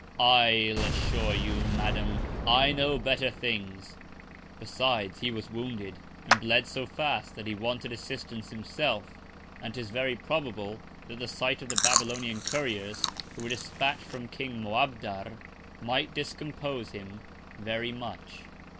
I'll assure you, Madam, I know better Things. Besides he was wounded; and bled so fast that he wanted Assistance himself: And 'tis very probable, that the Sight of the Babylonian Couriers, who were dispatch'd from King Moabdar, might discompose him very much.